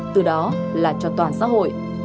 từ đó là cho toàn xã hội